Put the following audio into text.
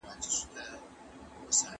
زه اوږده وخت ږغ اورم وم!!